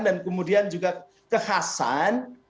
dan kemudian juga kekhasan